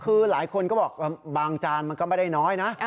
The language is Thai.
คือหลายคนก็บอกบางจานมันก็ไม่ได้น้อยนะ